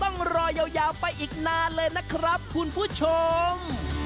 ต้องรอยาวไปอีกนานเลยนะครับคุณผู้ชม